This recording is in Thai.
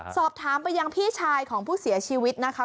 สอบถามไปยังพี่ชายของผู้เสียชีวิตนะคะ